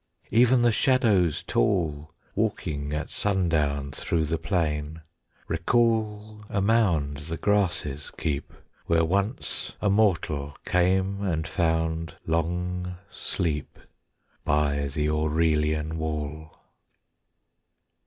Even the shadows tall, Walking at sundown through the plain, recall A mound the grasses keep, Where once a mortal came and found long sleep By the Aurelian Wall.